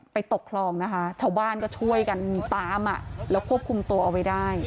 ตกคลองนะคะชาวบ้านก็ช่วยกันตามแล้วควบคุมตัวเอาไว้ได้